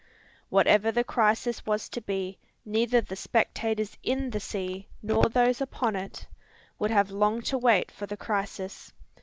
Whatever the crisis was to be, neither the spectators in the sea, nor those upon it, would have long to wait for the crisis.